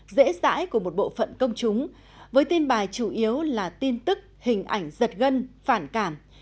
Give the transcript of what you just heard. dễ dãi của một bộ phận công chúng với tin bài chủ yếu là tin tức hình ảnh giật gân phản cảm